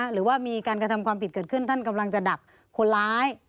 หรือว่ามีการกระทำความผิดเกิดขึ้นท่านกำลังจะดักคนร้าย